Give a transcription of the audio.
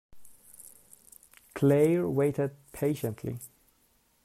Claire waited patiently.